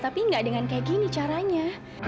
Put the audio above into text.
tapi nggak dengan kayak gini caranya